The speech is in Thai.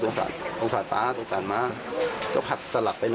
จริงคือไม่ใช่